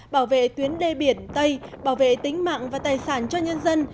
bảo vệ tuyến đê biển tây bảo vệ tính mạng và tài sản cho nhân dân